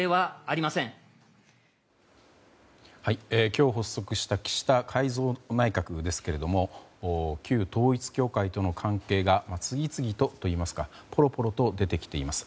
今日、発足した岸田改造内閣ですが旧統一教会との関係が次々とといいますかぽろぽろと出てきています。